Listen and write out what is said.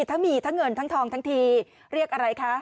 ทั้งมีทั้งเงินทั้งทองทั้งทีเรียกอะไรคะ